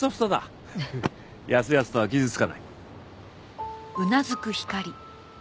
やすやすとは傷つかない。